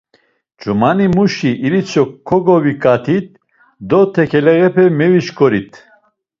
Ç̌umanimuşi iritzo ǩoǩoviǩatit do tekeleğepe mevişǩorit.